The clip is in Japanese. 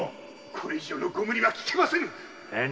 〔これ以上のご無理はきけませぬ！〕